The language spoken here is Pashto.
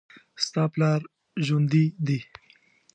ستا پلار ژوندي دي